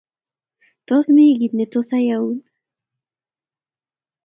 Tos mi kit ne tos ayaun